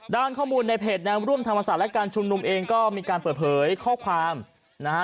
ข้อมูลในเพจแนวร่วมธรรมศาสตร์และการชุมนุมเองก็มีการเปิดเผยข้อความนะฮะ